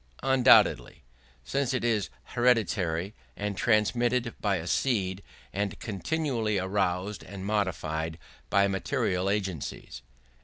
Undoubtedly; since it is hereditary and transmitted by a seed, and continually aroused and modified by material agencies.